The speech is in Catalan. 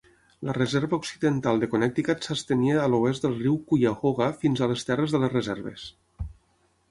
La reserva occidental de Connecticut s'estenia a l'oest del riu Cuyahoga fins a les terres de les reserves.